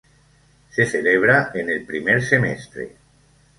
Se celebra en el primer semestre.